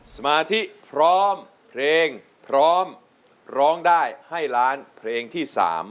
สมาธิพร้อมเพลงพร้อมร้องได้ให้ล้านเพลงที่๓